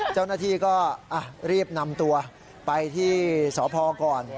เจ้าหน้าที่ก็รีบนำตัวไปที่สพก่อน